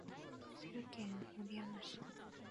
滋賀県守山市